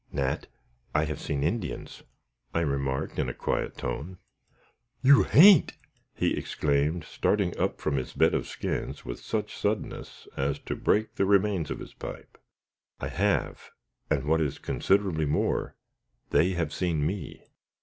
"Nat, I have seen Indians," I remarked, in a quiet tone. "You hain't!" he exclaimed, starting up from his bed of skins with such suddenness as to break the remains of his pipe. "I have; and, what is considerably more, they have seen me."